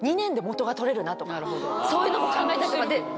そういうのも考え出して。